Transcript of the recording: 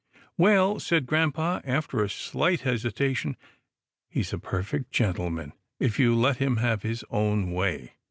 " Well," said grampa after a slight hesitation, " he's a perfect gentleman, if you let him have his own way."